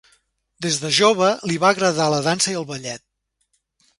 Des de jove li va agradar la dansa i el ballet.